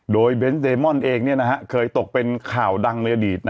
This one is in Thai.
โดยเบนดีมอนเองนะครับเคยตกเป็นข่าวดังในยดีต